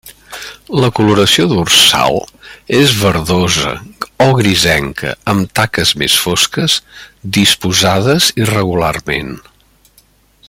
La coloració dorsal és verdosa o grisenca amb taques més fosques, disposades irregularment.